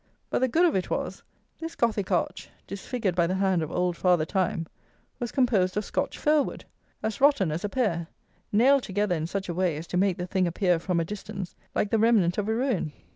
But, the good of it was, this gothic arch, disfigured by the hand of old Father Time, was composed of Scotch fir wood, as rotten as a pear; nailed together in such a way as to make the thing appear, from a distance, like the remnant of a ruin!